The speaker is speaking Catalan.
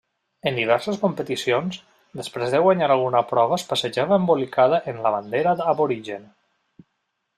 En diverses competicions, després de guanyar alguna prova es passejava embolicada en la bandera aborigen.